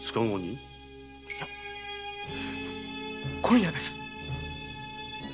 今夜です。